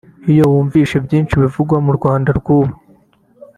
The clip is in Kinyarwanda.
Iyo wumvise byinshi bivugwa mu Rwanda rw’ubu